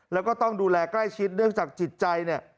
แล้วก็ต้องดูแลใกล้ชิดเนื่องจากจิตใจเนี่ย